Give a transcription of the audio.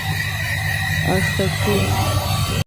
Hasta que St.